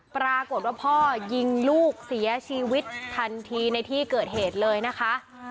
ปรากฏว่าพ่อยิงลูกเสียชีวิตทันทีในที่เกิดเหตุเลยนะคะ